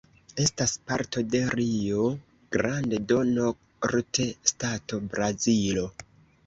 Estas parto de Rio Grande do Norte stato, Brazilo.